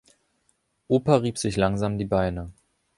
Opa rieb sich langsam die Beine.